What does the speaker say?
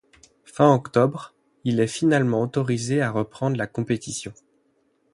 Fin octobre, il est finalement autorisé à reprendre la compétition.